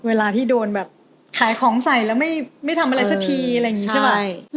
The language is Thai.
เวลาที่โดนแบบขายของใส่แล้วไม่ทำอะไรสักทีอะไรอย่างนี้ใช่ป่ะ